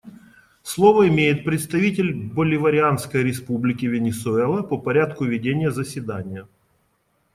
Слово имеет представитель Боливарианской Республики Венесуэла по порядку ведения заседания.